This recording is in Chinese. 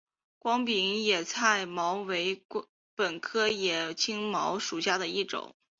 光柄野青茅为禾本科野青茅属下的一个种。